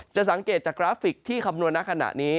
จะสังเกตจากกราฟิกที่คำนวณในขณะนี้